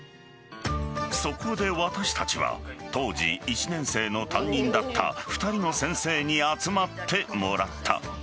そこで私たちは当時、１年生の担任だった２人の先生に集まってもらった。